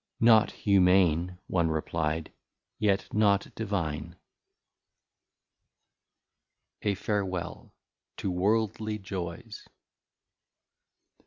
Not Humane, one reply'd, yet not Divine. A Farewel To Worldly Joys.